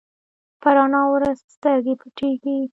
په رڼا ورځ سترګې پټېږي.